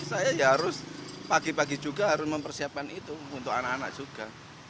saya ya harus pagi pagi juga harus mempersiapkan itu untuk anak anak juga